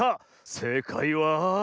せいかいは？